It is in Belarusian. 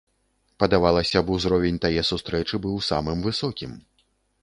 Падавалася б, узровень тае сустрэчы быў самым высокім.